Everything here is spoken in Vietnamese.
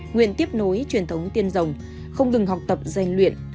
nguyện tiếp nối truyền thống tiên rồng không ngừng học tập gian luyện